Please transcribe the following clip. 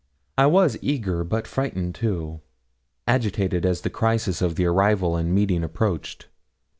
I was eager, but frightened too; agitated as the crisis of the arrival and meeting approached.